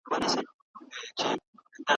هغه سرتیري چي ډارن دي لومړي وژل کیږي.